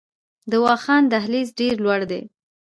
د واخان دهلیز ډیر لوړ دی